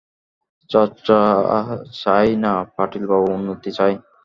চর্চা চাই না পাটিল বাবু, উন্নতি চাই।